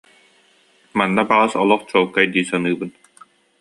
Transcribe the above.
Манна баҕас олох чуолкай дии саныыбын